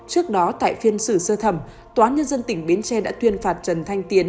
trước đó tại phiên xử xơ thẩm tòa nhân dân tỉnh bến tre đã tuyên phạt trần thanh tiến